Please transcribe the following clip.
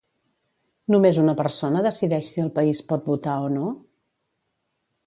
Només una persona decideix si el país pot votar o no?